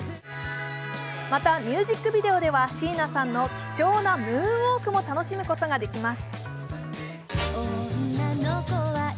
また、ミュージックビデオでは椎名さんの貴重なムーンウォークも楽しむことができます。